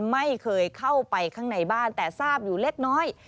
ไม่เคยเข้าไปข้างในบ้านแต่ทราบอยู่เล็กน้อย